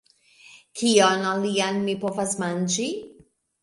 Kion alian mi povas manĝi?